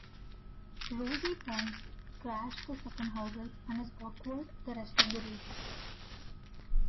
Rosie Bonds crashed the second hurdle and is awkward the rest of the race.